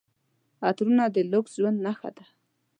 عطرونه د لوکس ژوند نښه ده.